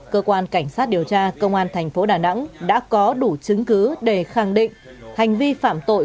cơ quan cảnh sát điều tra công an thành phố đà nẵng đã có đủ chứng cứ để khẳng định hành vi phạm tội